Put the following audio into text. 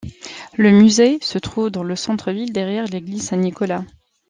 Le musée se trouve dans le centre-ville, derrière l'église Saint-Nicolas.